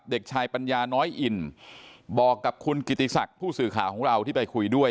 เด็กชายปัญญาน้อยอินบอกกับคุณกิติศักดิ์ผู้สื่อข่าวของเราที่ไปคุยด้วย